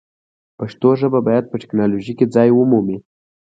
پښتو ژبه باید په ټکنالوژۍ کې ځای ومومي.